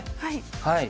はい。